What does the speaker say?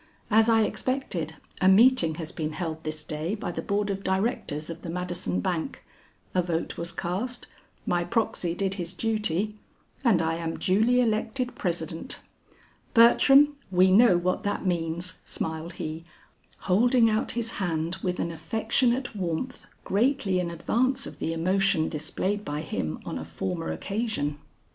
"As I expected, a meeting has been held this day by the board of Directors of the Madison Bank, a vote was cast, my proxy did his duty and I am duly elected President. Bertram, we know what that means," smiled he, holding out his hand with an affectionate warmth greatly in advance of the emotion displayed by him on a former occasion.